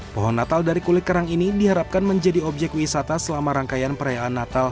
pohon natal dari kulit kerang ini diharapkan menjadi objek wisata selama rangkaian perayaan natal